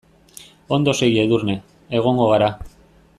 Ondo segi Edurne, egongo gara.